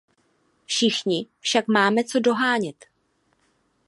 Všichni však máme co dohánět.